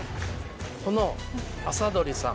この「麻鳥」さん。